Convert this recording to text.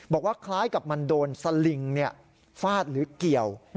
บอกว่าคล้ายกับมันโดนสลิงฟาดหรือเกี่ยว